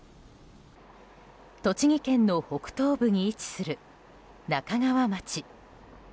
栃木県の北東部に位置する那珂川町。